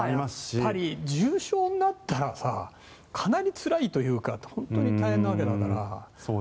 ただ、重症になったらかなりつらいというか本当に大変なわけだから。